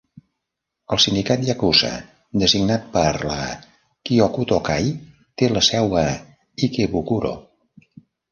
El sindicat yakuza designat per la Kyokuto-kai té la seu a Ikebukuro.